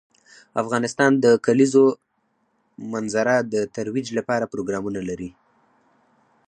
افغانستان د د کلیزو منظره د ترویج لپاره پروګرامونه لري.